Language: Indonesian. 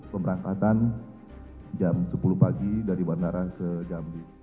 pemberangkatan jam sepuluh pagi dari bandara ke jambi